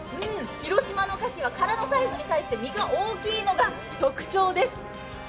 広島のかきは殻のサイズに対して身が大きいのが特徴です。